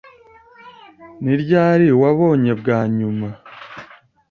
Ni ryari wabonye bwa nyuma?